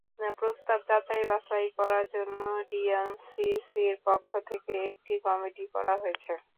প্রস্তাব যাচাই-বাছাই করার জন্য ডিএনসিসির পক্ষ থেকে একটি কমিটি করা হয়েছে।